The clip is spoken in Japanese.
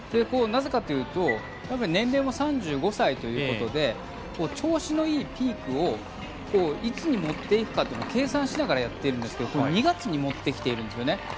なぜかというと年齢も３５歳ということで調子のいいピークをいつに持っていくかというのを計算しながらやっているんですけどこの２月に持ってきているんですよね。